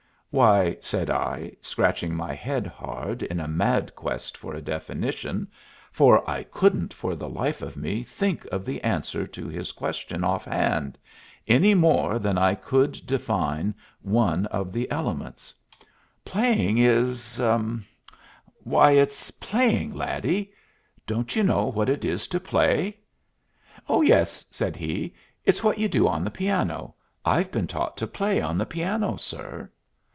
"Why," said I, scratching my head hard in a mad quest for a definition, for I couldn't for the life of me think of the answer to his question offhand, any more than I could define one of the elements. "Playing is why, it's playing, laddie. Don't you know what it is to play?" "Oh, yes," said he. "It's what you do on the piano I've been taught to play on the piano, sir."